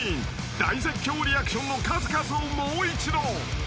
大絶叫リアクションの数々をもう一度］